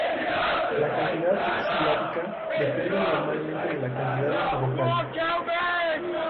La cantidad silábica depende normalmente de la cantidad de su vocal.